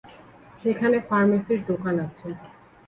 সেখানে ফার্মেসীর দোকান আছে।